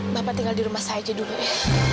bapak tinggal di rumah saya aja dulu ya